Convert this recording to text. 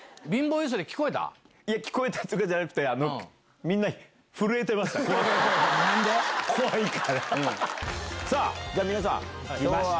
いえ、聞こえたとかじゃなくて、みんな、震えてました、怖くて。